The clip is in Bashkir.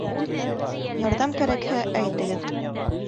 Ярҙам кәрәкһә, әйтегеҙ.